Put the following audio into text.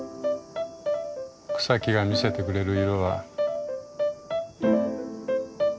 草木が見せてくれる色は。